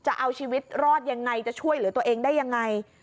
จะเอาชีวิตรอดยังไงจะช่วยเหลือตัวเองได้ยังไง